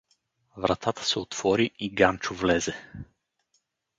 Вратата се отвори и Ганчо влезе.